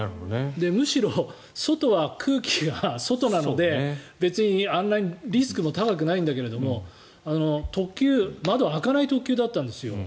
むしろ外は、空気が外なので別にリスクも高くないんだけど窓が開かない特急だったんですよ